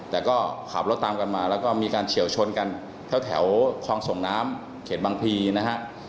แต่ก็ขับรถตามกันมาแล้วก็มีการเฉียวชนกันแถวคลองส่งน้ำเขตบางพีนะฮะ